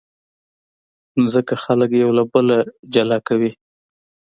مځکه خلک یو له بله جلا کوي.